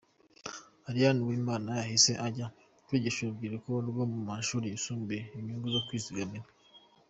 Ariane Uwimana yahise ajya kwigisha urubyiruko rwo mu mashuri yisumbuye inyungu zo kwizigamira.